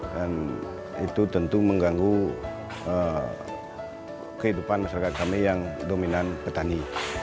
dan itu tentu mengganggu kehidupan masyarakat kami yang dominan petani